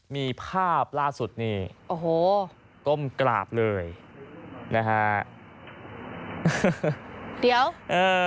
มีภาพล่าสุดนี่โอ้โหก้มกราบเลยนะฮะเดี๋ยวเออ